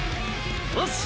よし！